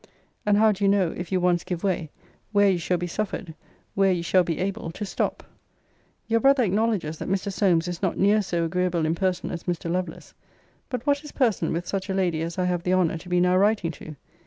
and how do you know, if you once give way, where you shall be suffered, where you shall be able, to stop? Your brother acknowledges that Mr. Solmes is not near so agreeable in person as Mr. Lovelace. But what is person with such a lady as I have the honour to be now writing to?